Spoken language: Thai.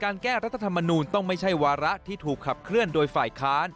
แก้รัฐธรรมนูลต้องไม่ใช่วาระที่ถูกขับเคลื่อนโดยฝ่ายค้าน